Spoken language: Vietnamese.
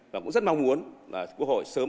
và cũng rất mong muốn quốc hội sớm